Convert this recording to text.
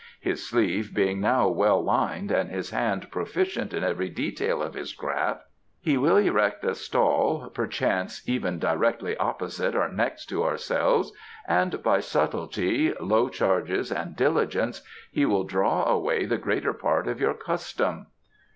His sleeve being now well lined and his hand proficient in every detail of his craft, he will erect a stall, perchance even directly opposite or next to ourselves, and by subtlety, low charges and diligence he will draw away the greater part of your custom."